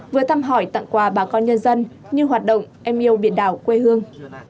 vừa thăm hỏi tặng quà bà con nhân dân như hoạt động em yêu biển đảo quê hương